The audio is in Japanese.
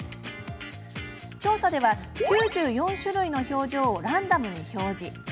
調査では９４種類の表情をランダムに表示。